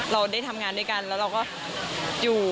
เราได้ทำงานด้วยกันแล้วเราก็อยู่